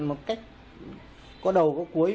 một cách có đầu có cuối